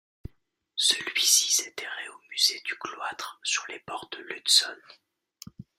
Celui-ci s'est terré au musée du Cloître sur les bords de l'Hudson.